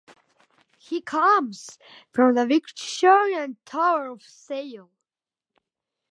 He comes from the Victorian town of Sale.